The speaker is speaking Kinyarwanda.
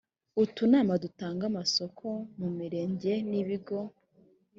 utunama dutanga amasoko mu mirenge n ibigo